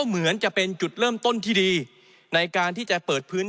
เหมือนจะเป็นจุดเริ่มต้นที่ดีในการที่จะเปิดพื้น